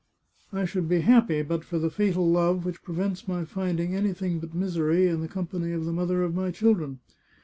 I should be happy, but for the fatal love which prevents my finding anything but misery in the com pany of the mother of my children.